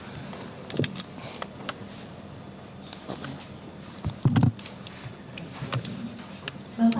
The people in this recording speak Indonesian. tadi sudah kami sampaikan bahwa